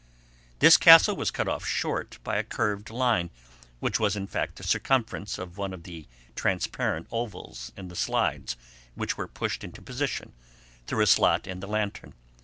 This castle was cut off short by a curved line which was in fact the circumference of one of the transparent ovals in the slides which were pushed into position through a slot in the lantern.